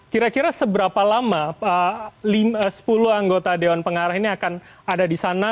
kira kira seberapa lama sepuluh anggota dewan pengarah ini akan ada di sana